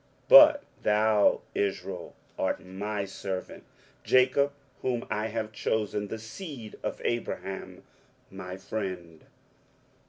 23:041:008 But thou, Israel, art my servant, Jacob whom I have chosen, the seed of Abraham my friend.